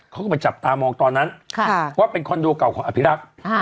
เขาก็ไปจับตามองตอนนั้นว่าเป็นคอนโดเก่าของอภิรักษ์